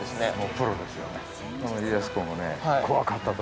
プロですよね。